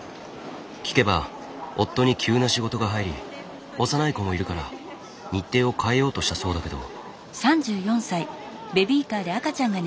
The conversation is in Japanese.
聞けば夫に急な仕事が入り幼い子もいるから日程を変えようとしたそうだけど。